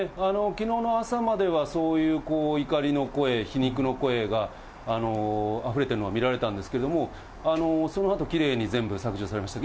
きのうの朝まではそういう怒りの声、皮肉の声があふれてるのが見られたんですけれども、そのあと、きれいに全部削除されました。